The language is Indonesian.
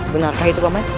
benarkah itu paman